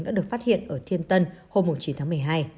đã được phát hiện ở thiên tân hôm chín tháng một mươi hai